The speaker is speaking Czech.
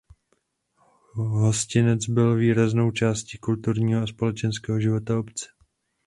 Hostinec byl výraznou částí kulturního a společenského života obce.